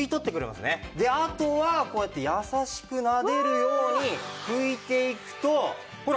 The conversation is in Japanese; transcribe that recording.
あとはこうやって優しくなでるように拭いていくとほら！